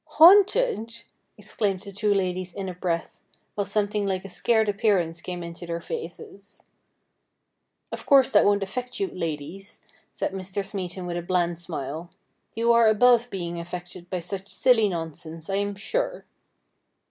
' Haunted !' exclaimed the two ladies in a breath, while something like a scared appearance came into their faces. ' Of course that won't affect you, ladies,' said Mr. Smeaton with his bland smile. ' You are above being affected by such silly nonsense, I am sure.'